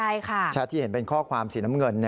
ใช่ค่ะแชทที่เห็นเป็นข้อความสีน้ำเงิน